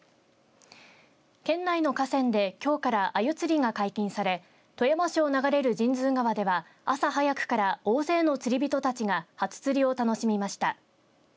県内の河川できょうからあゆ釣りが解禁され富山市を流れる神通川では朝早くから大勢の釣り人たちが初釣りを楽しみました。